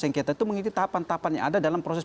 sengketa itu mengikuti tahapan tahapan yang ada dalam proses